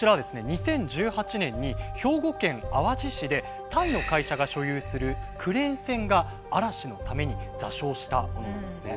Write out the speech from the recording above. ２０１８年に兵庫県淡路市でタイの会社が所有するクレーン船が嵐のために座礁したものなんですね。